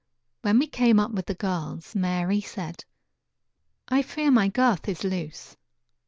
When we came up with the girls, Mary said: "I fear my girth is loose."